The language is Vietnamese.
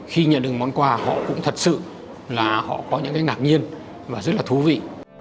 khi nhận được món quà họ cũng thật sự là họ có những cái ngạc nhiên và rất là thú vị